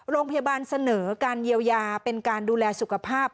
โรงพยาบาลเสนอการเยียวยาเป็นการดูแลสุขภาพ